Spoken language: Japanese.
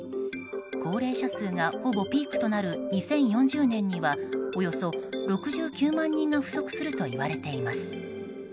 高齢者数がほぼピークとなる２０４０年にはおよそ６９万人が不足するといわれています。